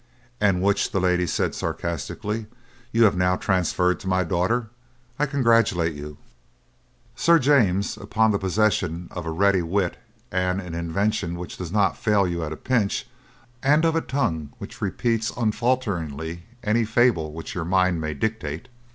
"And which," the lady said sarcastically, "you have now transferred to my daughter. I congratulate you, Sir James, upon the possession of a ready wit and an invention which does not fail you at a pinch, and of a tongue which repeats unfalteringly any fable which your mind may dictate.